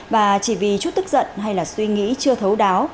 và chỉ vì chút tức giận hay là suy nghĩ chưa thấu đáo